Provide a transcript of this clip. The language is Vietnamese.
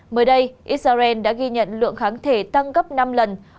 mới đây israel đã ghi nhận lượng kháng thể tăng gấp năm lần